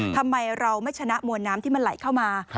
ทำไมเราไม่ชนะมวลน้ำที่มันไหลเข้ามา